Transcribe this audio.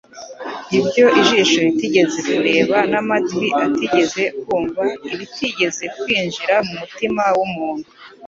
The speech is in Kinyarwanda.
"Ibyo ijisho ritigeze kureba n'amatwi atigeze kumva ibitigeze kwinjira mu mutima w'umuntu»